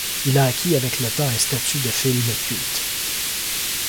Il a acquis avec le temps un statut de film culte.